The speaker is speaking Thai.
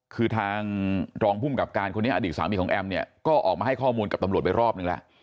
คือทางรองภูมิกับการคนนี้อดีตสามีของแอมเนี่ยก็ออกมาให้ข้อมูลกับตำรวจไปรอบนึงแล้ว